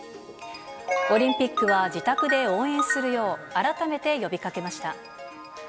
オリンピックは自宅で応援するよう改めて呼びかけました。